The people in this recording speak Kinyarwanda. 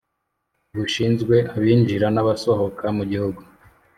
bushinzwe abinjira n’abasohoka mu gihugu